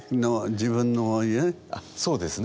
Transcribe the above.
あっそうですね。